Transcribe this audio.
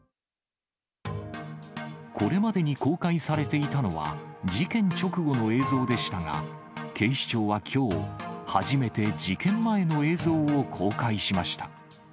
これまでに公開されていたのは、事件直後の映像でしたが、警視庁はきょう、初めて事件前の映像を公開しました。